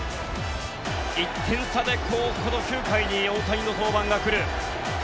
１点差でこの９回に大谷の登板が来る。